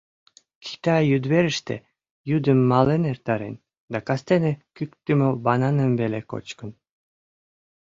Китай йӱдверыште йӱдым мален эртарен да кастене кӱктымӧ бананым веле кочкын.